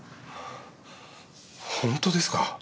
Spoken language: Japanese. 本当ですか？